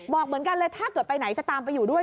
บอกเจอไปไหนจะตามไปอยู่ด้วย